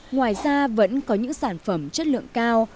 ngoài ra vẫn có những sản phẩm chất lượng cao